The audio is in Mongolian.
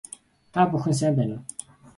Та бүхэн сайн байна уу